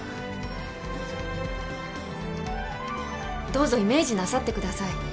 どうぞイメージなさってください